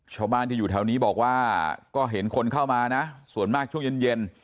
ชาวบ้านที่อยู่แถวนี้บอกว่าก็เห็นคนเข้ามานะส่วนมากช่วงเย็น